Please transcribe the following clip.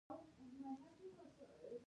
ما پخوا داسې څيزونه نه وو لېدلي.